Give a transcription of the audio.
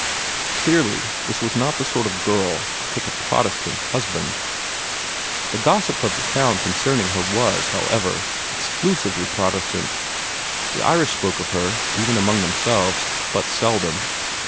Clearly this was not the sort of girl to take a Protestant husband. The gossip of the town concerning her was, however, exclusively Protestant. The Irish spoke of her, even among themselves, but seldom.